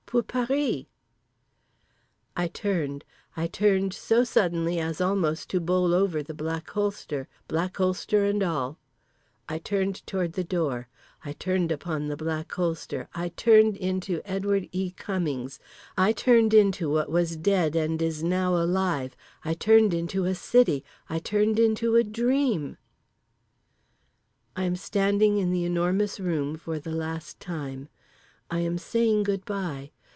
Pour Paris._" I turned, I turned so suddenly as almost to bowl over the Black Holster, Black Holster and all; I turned toward the door, I turned upon the Black Holster, I turned into Edward E. Cummings, I turned into what was dead and is now alive, I turned into a city, I turned into a dream— I am standing in The Enormous Room for the last time. I am saying good bye.